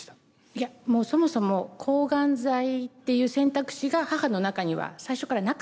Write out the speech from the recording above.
いやもうそもそも抗がん剤っていう選択肢が母の中には最初からなかったんですよね。